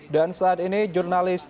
dan saat ini jurnalis transmedia